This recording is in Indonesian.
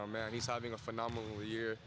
man dia punya tahun yang fenomenal